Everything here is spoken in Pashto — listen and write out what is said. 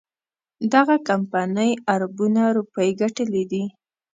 دغه کمپنۍ اربونه روپۍ ګټلي دي.